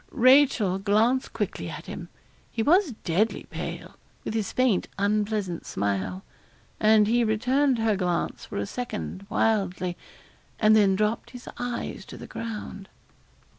Rachel glanced quickly at him. He was deadly pale, with his faint unpleasant smile; and he returned her glance for a second wildly, and then dropped his eyes to the ground.